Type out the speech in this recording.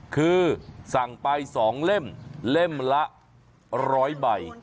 คือสั่งไป๒เล่มเล่มละ๑๐๐ใบ